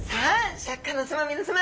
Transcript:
シャーク香音さま皆さま。